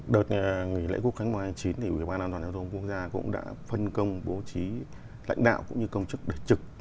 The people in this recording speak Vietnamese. đợt nghỉ lễ quốc kháng mùa hai mươi chín ủy ban an toàn giao thông quốc gia cũng đã phân công bố trí lãnh đạo cũng như công chức đại trực